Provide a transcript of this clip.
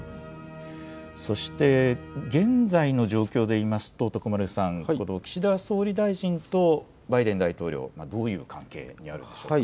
そして現在の状況で言いますと徳丸さん、岸田総理大臣とバイデン大統領、どういう関係にあるんでしょうか。